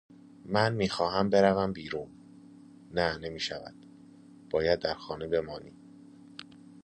من میخواهم بروم بیرون. نه نمیشود. باید در خانه بمانی.